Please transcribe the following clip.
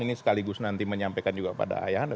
ini sekaligus nanti menyampaikan juga pada ayah anda